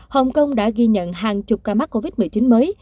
hồng kông đã ghi nhận hàng chục ca mắc covid một mươi chín mới